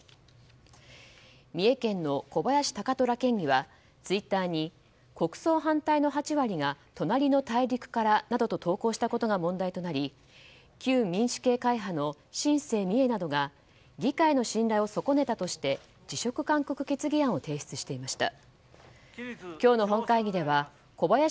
三重県の小林貴虎県議はツイッターに国葬反対の８割が隣の大陸からなどと投稿したことが問題となり旧民主党会派の新政みえなどが議会の信頼を損ねたとして辞職勧告決議案を提出していました。